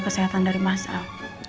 kesehatan dari mas al